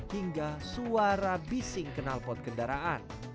hingga suara bising kenal pot kendaraan